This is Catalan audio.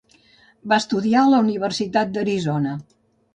Va estudiar a la Universitat d'Arizona.